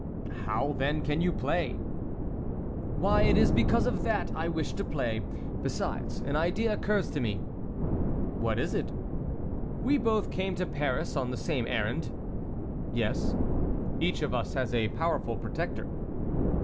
"How, then, can you play?" "Why, it is because of that I wished to play. Besides, an idea occurs to me." "What is it?" "We both came to Paris on the same errand." "Yes." "Each of us has a powerful protector."